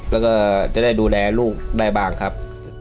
แล้วก็จะได้ดูแลลูกได้บ้างครับ